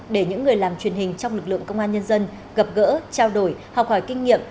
để những người làm truyền hình trong lực lượng công an nhân dân gặp gỡ trao đổi học hỏi kinh nghiệm